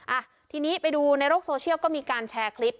อ่ะทีนี้ไปดูในโลกโซเชียลก็มีการแชร์คลิป